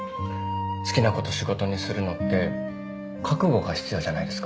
好きなこと仕事にするのって覚悟が必要じゃないですか。